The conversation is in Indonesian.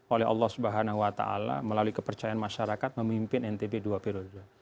oleh allah swt melalui kepercayaan masyarakat memimpin ntb dua periode